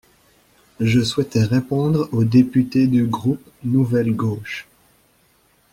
Je souhaitais répondre aux députés du groupe Nouvelle Gauche.